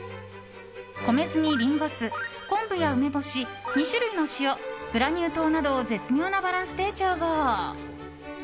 米酢にリンゴ酢、昆布や梅干し２種類の塩、グラニュー糖などを絶妙なバランスで調合。